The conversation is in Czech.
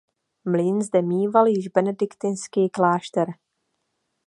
Mlýn zde míval již benediktinský klášter.